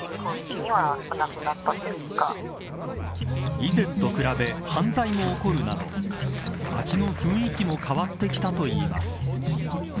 以前と比べ、犯罪も起こるなど街の雰囲気も変わってきたといいます。